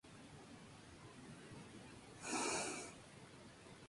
Casado con "Carmela Henríquez".